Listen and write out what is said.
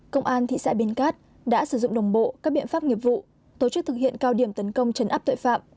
công an thị xã biên cát đã sử dụng đồng bộ các biện pháp nghiệp vụ tổ chức thực hiện cao điểm tấn công chấn áp tội phạm